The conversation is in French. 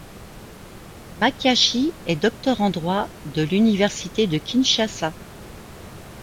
Makiashi est docteur en droit de l’université de Kinshasa.